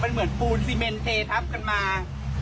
มันเหมือนปูนซีเมนเททับกันมา